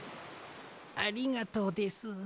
ありがとうです。